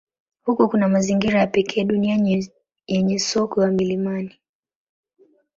Huko kuna mazingira ya pekee duniani yenye sokwe wa milimani.